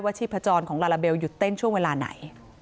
ชีพจรของลาลาเบลหยุดเต้นช่วงเวลาไหน